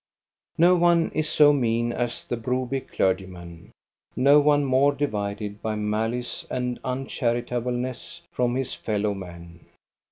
No one is so mean as the Broby clergyman, no one more divided by malice and uncharitableness from his fellow men.